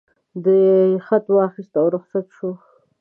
ده خط واخیست او رخصت شو.